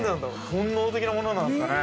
本能的なものなんですかね。